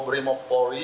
sehingga kita sukses